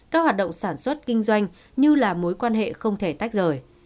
các hoạt động sản xuất kinh doanh như là mối quan hệ không thể tách rời